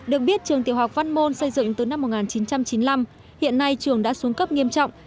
được biết trường tiểu học văn môn xây dựng từ năm một nghìn chín trăm chín mươi năm hiện nay trường đã xuống cấp nghiêm trọng